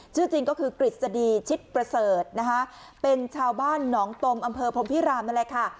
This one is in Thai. จริงก็คือกฤษฎีชิดประเสริฐนะคะเป็นชาวบ้านหนองตมอำเภอพรมพิรามนั่นแหละค่ะ